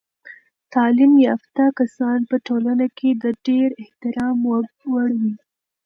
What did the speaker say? تعلیم یافته کسان په ټولنه کې د ډیر احترام وړ وي.